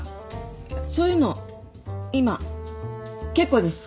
いやそういうの今結構です。